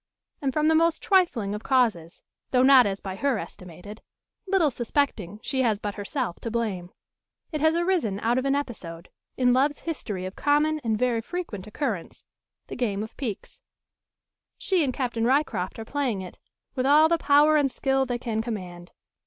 And from the most trifling of causes, though not as by her estimated; little suspecting she has but herself to blame. It has arisen out of an episode, in love's history of common and very frequent occurrence the game of piques. She and Captain Ryecroft are playing it, with all the power and skill they can command.